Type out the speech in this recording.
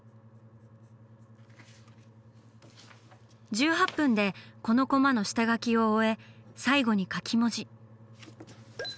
１８分でこのコマの下描きを終え最後に書き文字。